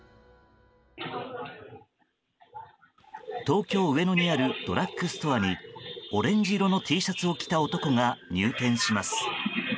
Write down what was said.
東京・上野にあるドラッグストアにオレンジ色のＴシャツを着た男が入店します。